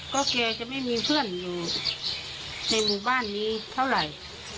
ก็แกจะไม่มีเพื่อนอยู่ในหมู่บ้านนี้เท่าไหร่